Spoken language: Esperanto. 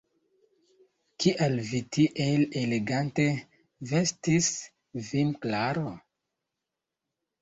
Kial vi tiel elegante vestis vin, Klaro?